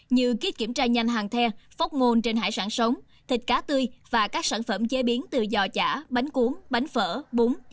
như kiếp kiểm tra nhanh hàng the phóc ngôn trên hải sản sống thịt cá tươi và các sản phẩm chế biến từ giò chả bánh cuốn bánh phở bún